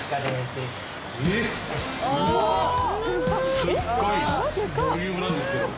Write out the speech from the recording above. すごいボリュームなんですけど。